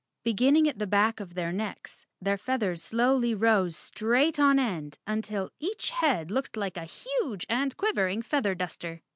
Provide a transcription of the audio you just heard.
Beginning at the back of their necks, their feathers slowly rose straight on end until each head looked like a huge and quivering feather duster.